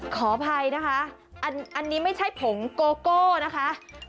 ขออภัยนะคะอันนี้ไม่ใช่ผงโกโก้นะคะ